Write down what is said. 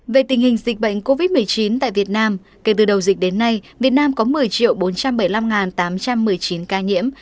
về tình hình dịch bệnh covid một mươi chín tại việt nam kể từ đầu dịch đến nay việt nam có một mươi bốn trăm bảy mươi năm tám trăm một mươi chín ca nhiễm